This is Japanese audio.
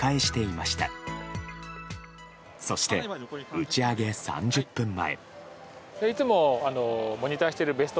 そして打ち上げ３０分前。